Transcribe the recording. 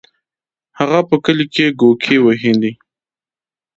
هغه په کلي کې کوکې وهلې.